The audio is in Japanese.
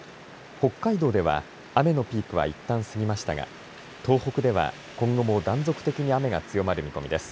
北海道では雨のピークはいったん過ぎましたが、東北では今後も断続的に雨が強まる見込みです。